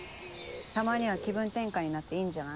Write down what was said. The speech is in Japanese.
たまには気分転換になっていいんじゃない。